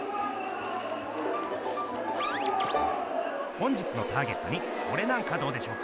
本日のターゲットにこれなんかどうでしょうか？